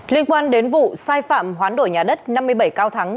liên quan đến vụ sai phạm hoán đổi nhà đất năm mươi bảy cao thắng